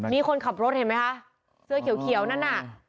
นี่คนขับรถเห็นไหมคะเสื้อเขียวนั่นน่ะ